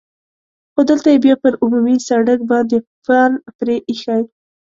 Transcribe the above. خو دلته یې بیا پر عمومي سړک باندې پل پرې اېښی.